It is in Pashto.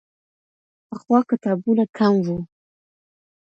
پخوا کتابونه کم وو.